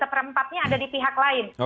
satu per empat nya ada di pihak lain